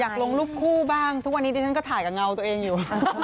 ลงรูปคู่บ้างทุกวันนี้ดิฉันก็ถ่ายกับเงาตัวเองอยู่